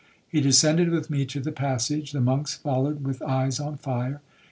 He descended with me to the passage,—the monks followed with eyes on fire.